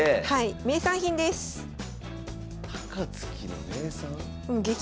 名産品です。